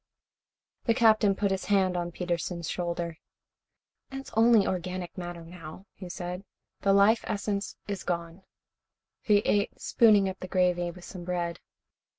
The Captain put his hand on Peterson's shoulder. "It is only organic matter, now," he said. "The life essence is gone." He ate, spooning up the gravy with some bread.